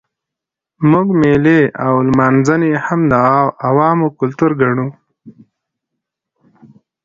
موږ مېلې او لمانځنې هم د عوامو کلتور ګڼو.